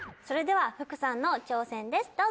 それでは福さんの挑戦です。